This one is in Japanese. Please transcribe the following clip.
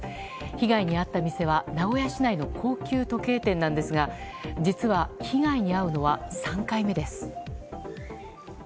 被害に遭ったの店は名古屋市内の高級時計店なんですが実は、被害に遭うのは３回目です。